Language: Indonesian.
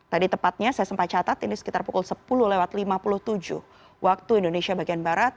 tadi tepatnya saya sempat catat ini sekitar pukul sepuluh lima puluh tujuh wib